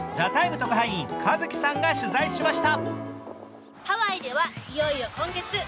特派員、カズキさんが取材しました。